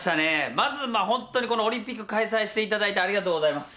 まず本当にこのオリンピック開催していただいてありがとうございます。